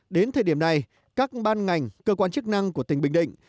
đến thời điểm này các ban ngành cơ quan chức năng của tỉnh bình định